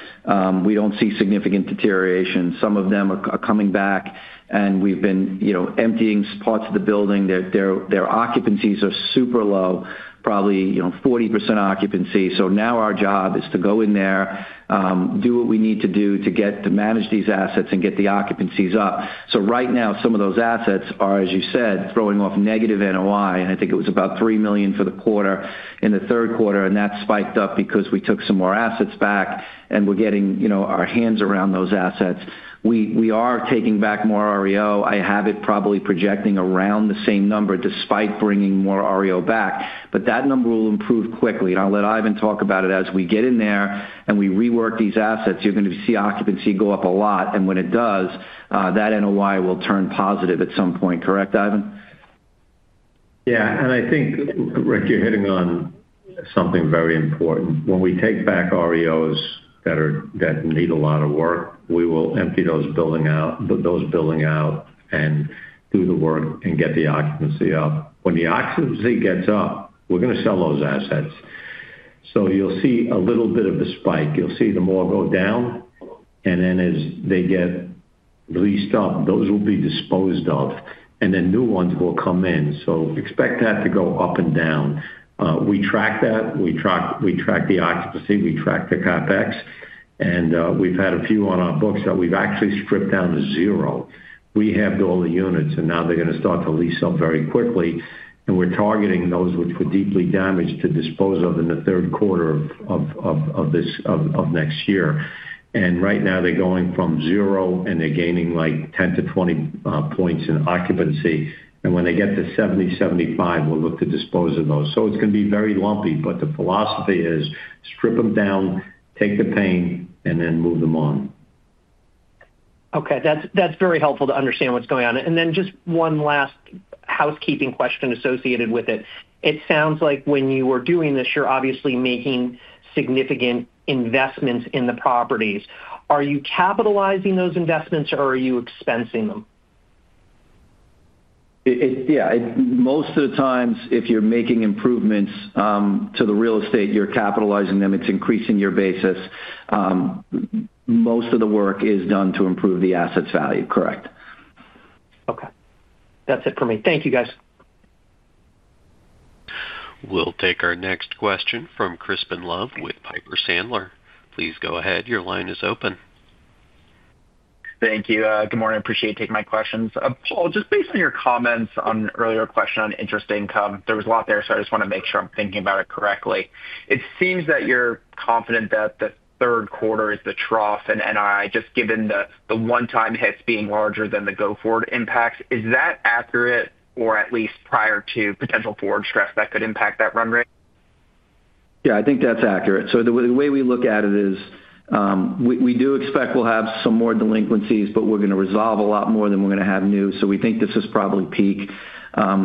we don't see significant deterioration. Some of them are coming back, and we've been emptying parts of the building. Their occupancies are super low, probably 40% occupancy. Now our job is to go in there, do what we need to do to manage these assets and get the occupancies up. Right now, some of those assets are, as you said, throwing off negative NOI. I think it was about $3 million for the quarter in the third quarter. That spiked up because we took some more assets back, and we're getting our hands around those assets. We are taking back more REO. I have it probably projecting around the same number despite bringing more REO back. That number will improve quickly. I'll let Ivan talk about it as we get in there and we rework these assets. You're going to see occupancy go up a lot. When it does, that NOI will turn positive at some point. Correct, Ivan? Yeah. I think, Rick, you're hitting on something very important. When we take back REOs that need a lot of work, we will empty those buildings out, do the work, and get the occupancy up. When the occupancy gets up, we're going to sell those assets. You'll see a little bit of a spike. You'll see them all go down. As they get released up, those will be disposed of, and then new ones will come in. Expect that to go up and down. We track that. We track the occupancy. We track the CapEx. We've had a few on our books that we've actually stripped down to zero. We have all the units, and now they're going to start to lease up very quickly. We're targeting those which were deeply damaged to dispose of in the third quarter of. Next year. Right now, they're going from zero, and they're gaining like 10%-20% in occupancy. When they get to 70%, 75%, we'll look to dispose of those. It's going to be very lumpy, but the philosophy is strip them down, take the pain, and then move them on. That's very helpful to understand what's going on. Just one last housekeeping question associated with it. It sounds like when you were doing this, you're obviously making significant investments in the properties. Are you capitalizing those investments, or are you expensing them? Yeah. Most of the time, if you're making improvements to the real estate, you're capitalizing them. It's increasing your basis. Most of the work is done to improve the asset's value. Correct. Okay. That's it for me. Thank you, guys. We'll take our next question from Crispin Love with Piper Sandler. Please go ahead. Your line is open. Thank you. Good morning. I appreciate taking my questions. Paul, just based on your comments on an earlier question on interest income, there was a lot there, so I just want to make sure I'm thinking about it correctly. It seems that you're confident that the third quarter is the trough in NII, just given the one-time hits being larger than the go-forward impacts. Is that accurate, or at least prior to potential forward stress that could impact that run rate? Yeah, I think that's accurate. The way we look at it is we do expect we'll have some more delinquencies, but we're going to resolve a lot more than we're going to have new. We think this is probably peak.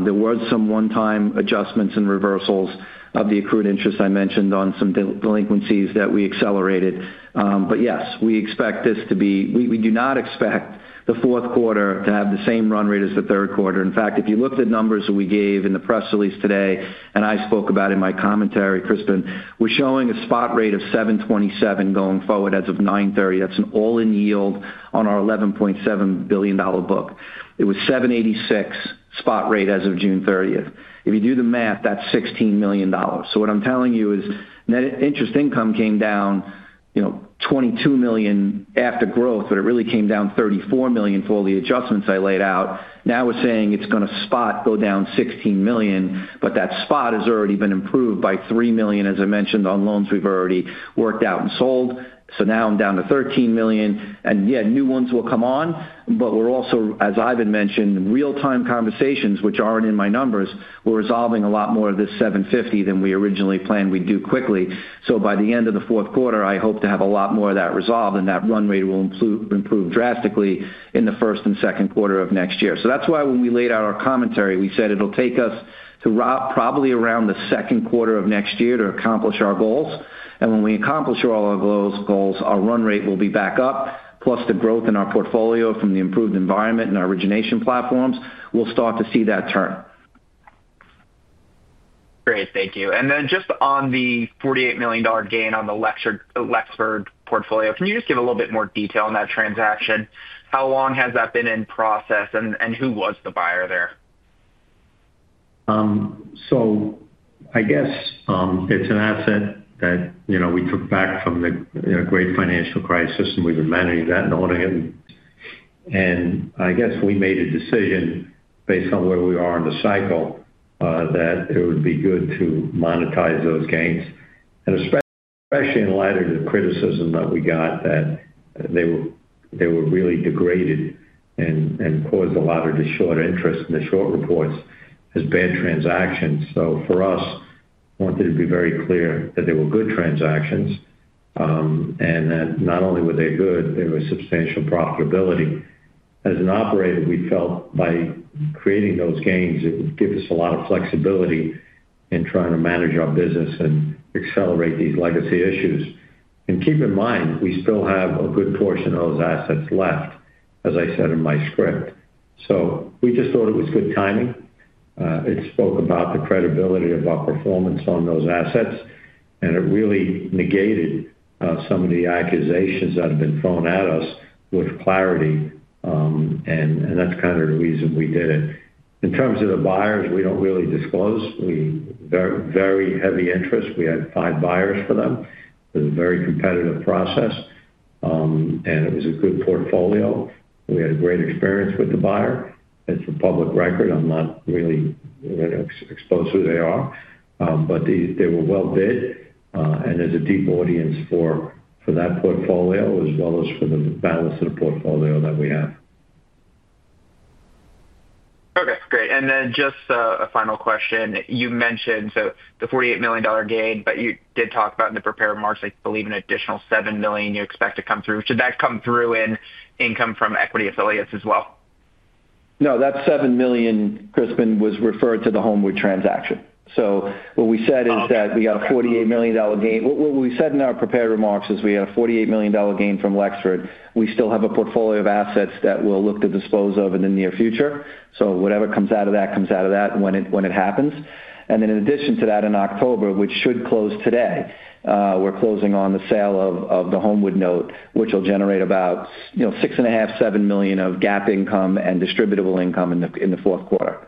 There were some one-time adjustments and reversals of the accrued interest I mentioned on some delinquencies that we accelerated. Yes, we expect this to be—we do not expect the fourth quarter to have the same run rate as the third quarter. In fact, if you looked at numbers that we gave in the press release today, and I spoke about in my commentary, Crispin, we're showing a spot rate of 7.27% going forward as of 9/30. That's an all-in yield on our $11.7 billion book. It was 7.86% spot rate as of June 30th. If you do the math, that's $16 million. What I'm telling you is net interest income came down $22 million after growth, but it really came down $34 million for all the adjustments I laid out. Now we're saying it's going to spot go down $16 million, but that spot has already been improved by $3 million, as I mentioned, on loans we've already worked out and sold. Now I'm down to $13 million. Yes, new ones will come on. As Ivan mentioned, real-time conversations, which aren't in my numbers, we're resolving a lot more of this $750 million than we originally planned we'd do quickly. By the end of the fourth quarter, I hope to have a lot more of that resolved, and that run rate will improve drastically in the first and second quarter of next year. That is why when we laid out our commentary, we said it'll take us to probably around the second quarter of next year to accomplish our goals. When we accomplish all of those goals, our run rate will be back up, plus the growth in our portfolio from the improved environment and our origination platforms. We'll start to see that turn. Great. Thank you. Just on the $48 million gain on the Lexford portfolio, can you give a little bit more detail on that transaction? How long has that been in process, and who was the buyer there? It's an asset that we took back from the great financial crisis, and we've been managing that and holding it. We made a decision based on where we are in the cycle that it would be good to monetize those gains, especially in light of the criticism that we got that they were really degraded and caused a lot of short interest in the short reports as bad transactions. I wanted to be very clear that they were good transactions. Not only were they good, they were substantial profitability. As an operator, we felt by creating those gains, it would give us a lot of flexibility in trying to manage our business and accelerate these legacy issues. Keep in mind, we still have a good portion of those assets left, as I said in my script. We just thought it was good timing. It spoke about the credibility of our performance on those assets, and it really negated some of the accusations that had been thrown at us with clarity. That's kind of the reason we did it. In terms of the buyers, we don't really disclose. We have very heavy interest. We had five buyers for them. It was a very competitive process. It was a good portfolio. We had a great experience with the buyer. It's a public record. I'm not really exposed to who they are, but they were well bid. There's a deep audience for that portfolio, as well as for the balance of the portfolio that we have. Okay. Great. Just a final question. You mentioned the $48 million gain, but you did talk about in the prepared marks, I believe, an additional $7 million you expect to come through. Should that come through in income from equity affiliates as well? No, that $7 million, Crispin, was referred to the Homewood transaction. What we said is that we got a $48 million gain. What we said in our prepared remarks is we had a $48 million gain from Lexford. We still have a portfolio of assets that we'll look to dispose of in the near future. Whatever comes out of that, comes out of that when it happens. In addition to that, in October, which should close today, we're closing on the sale of the Homewood note, which will generate about $6.5 million, $7 million of GAAP income and distributable income in the fourth quarter.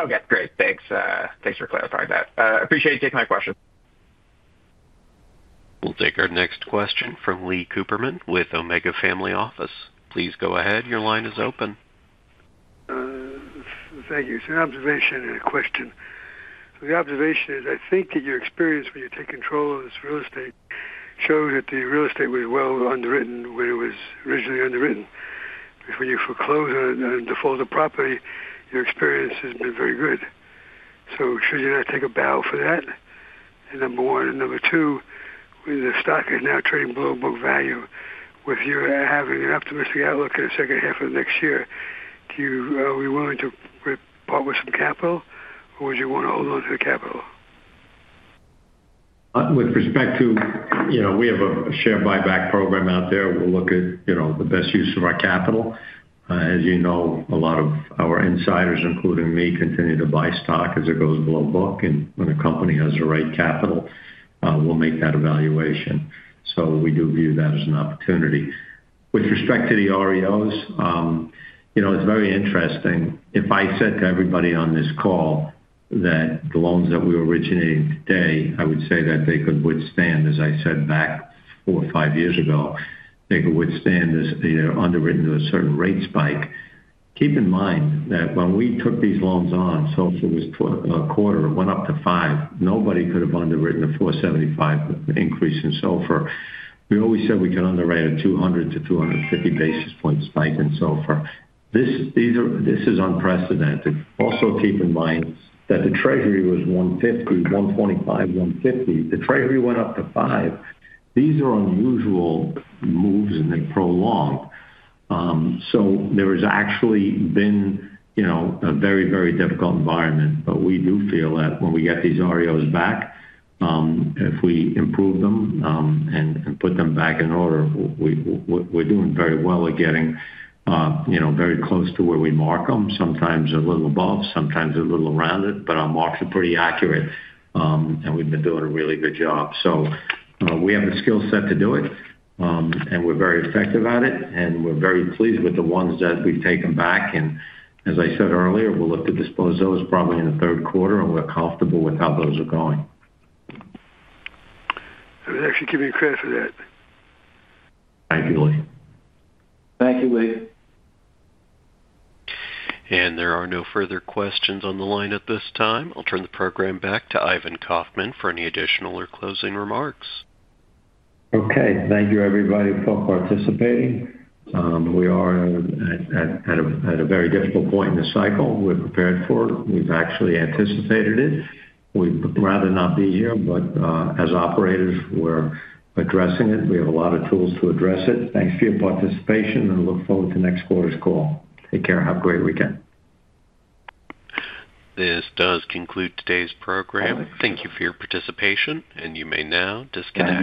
Okay. Great. Thanks for clarifying that. Appreciate you taking my question. We'll take our next question from Leon Cooperman with Omega Family Office. Please go ahead. Your line is open. Thank you. An observation and a question. The observation is, I think that your experience when you take control of this real estate shows that the real estate was well underwritten when it was originally underwritten. When you foreclose and default a property, your experience has been very good. Should you not take a bow for that? Number one. Number two, when the stock is now trading below book value, with you having an optimistic outlook in the second half of next year, are you willing to part with some capital, or would you want to hold on to the capital? We have a share buyback program out there. We'll look at the best use of our capital. As you know, a lot of our insiders, including me, continue to buy stock as it goes below book. When a company has the right capital, we'll make that evaluation. We do view that as an opportunity. With respect to the REOs, it's very interesting. If I said to everybody on this call that the loans that we were originating today, I would say that they could withstand, as I said back four or five years ago, they could withstand underwritten to a certain rate spike. Keep in mind that when we took these loans on, if it was a quarter, it went up to five. Nobody could have underwritten a 475 increase in SOFR. We always said we could underwrite a 200 to 250 basis points spike in SOFR. This is unprecedented. Also keep in mind that the Treasury was 150, 125, 150. The Treasury went up to five. These are unusual moves, and they're prolonged. There has actually been a very, very difficult environment. We do feel that when we get these REOs back, if we improve them and put them back in order, we're doing very well at getting very close to where we mark them, sometimes a little above, sometimes a little around it. Our marks are pretty accurate, and we've been doing a really good job. We have the skill set to do it, and we're very effective at it. We're very pleased with the ones that we've taken back. As I said earlier, we'll look to dispose of those probably in the third quarter, and we're comfortable with how those are going. Actually, give me credit for that. Thank you, Lee. Thank you, Lee. There are no further questions on the line at this time. I'll turn the program back to Ivan Kaufman for any additional or closing remarks. Okay. Thank you, everybody, for participating. We are at a very difficult point in the cycle. We're prepared for it. We've actually anticipated it. We'd rather not be here, but as operators, we're addressing it. We have a lot of tools to address it. Thanks for your participation, and look forward to next quarter's call. Take care. Have a great weekend. This does conclude today's program. Thank you for your participation, and you may now disconnect.